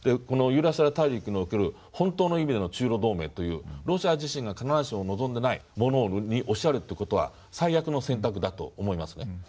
このユーラシア大陸における本当の意味での中ロ同盟というロシア自身が必ずしも望んでないものに押しやるという事は最悪の選択だと思いますね。